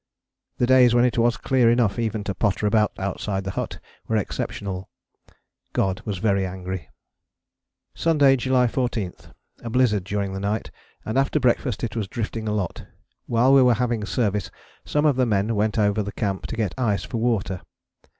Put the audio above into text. The days when it was clear enough even to potter about outside the hut were exceptional. God was very angry. "Sunday, July 14. A blizzard during the night, and after breakfast it was drifting a lot. While we were having service some of the men went over the camp to get ice for water.